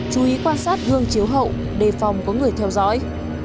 chú ý quan sát hương chiếu hậu đề phòng có người theo dõi